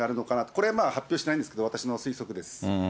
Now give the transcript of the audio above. これ発表してないんですけれども、私の推測です。